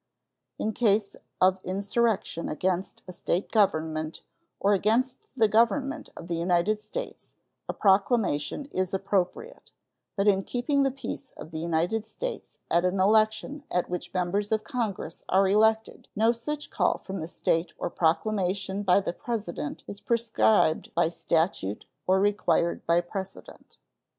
In case of insurrection against a State government or against the Government of the United States a proclamation is appropriate; but in keeping the peace of the United States at an election at which Members of Congress are elected no such call from the State or proclamation by the President is prescribed by statute or required by precedent.